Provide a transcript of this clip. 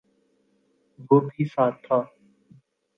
وہ بھی ساتھ تھا